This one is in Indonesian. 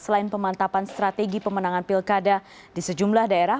selain pemantapan strategi pemenangan pilkada di sejumlah daerah